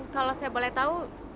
kalau saya boleh tahu